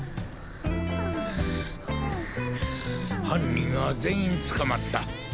犯人は全員捕まった。